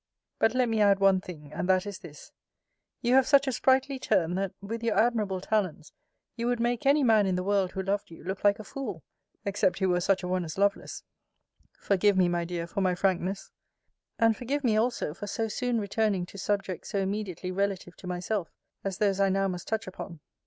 But let me add one thing: and that is this: You have such a sprightly turn, that, with your admirable talents, you would make any man in the world, who loved you, look like a fool, except he were such a one as Lovelace. Forgive me, my dear, for my frankness: and forgive me, also, for so soon returning to subject so immediately relative to myself, as those I now must touch upon.